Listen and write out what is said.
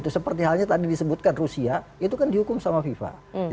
seperti halnya tadi disebutkan rusia itu kan dihukum sama fifa